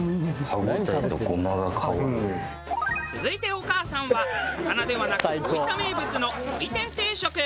続いてお母さんは魚ではなく大分名物の鳥天定食。